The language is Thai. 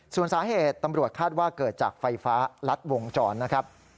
ส่วนสาเหตุตำรวจคาดว่าเกิดจากไฟฟ้ารัดวงจรนะครับ